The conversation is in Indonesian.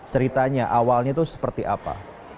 ceritanya awalnya itu seperti apa